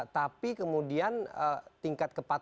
tapi kemudian tingkat kepatuhan